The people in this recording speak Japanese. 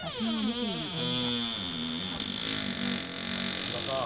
恩田さん。